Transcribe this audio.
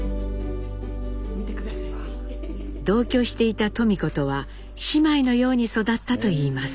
同居していた登美子とは姉妹のように育ったといいます。